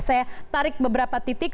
saya tarik beberapa titik